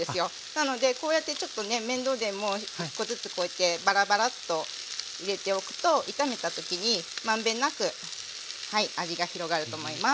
なのでこうやってちょっとね面倒でも１個ずつこうやってバラバラッと入れておくと炒めた時に満遍なく味が広がると思います。